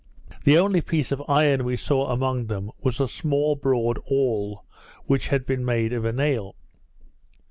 The only piece of iron we saw among them was a small broad awl, which had been made of a nail.